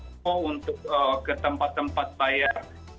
tempat mau untuk ke tempat tempat bayar